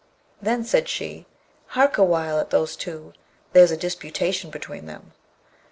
Then said she, 'Hark awhile at those two! There's a disputation between them.'